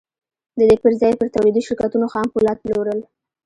د دې پر ځای یې پر تولیدي شرکتونو خام پولاد پلورل